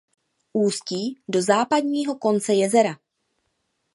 Ústí do západního konce jezera.